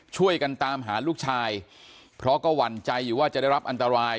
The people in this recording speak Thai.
ช่วยกันตามหาลูกชายเพราะก็หวั่นใจอยู่ว่าจะได้รับอันตราย